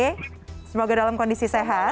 oke semoga dalam kondisi sehat